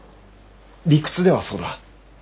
理屈ではそうだ。